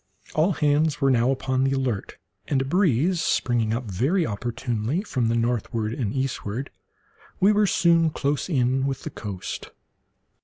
All hands were now upon the alert, and, a breeze springing up very opportunely from the northward and eastward, we were soon close in with the coast.